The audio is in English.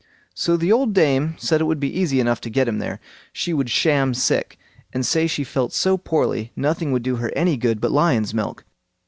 So the old dame said it would be easy enough to get him there. She would sham sick, and say she felt so poorly, nothing would do her any good but lion's milk.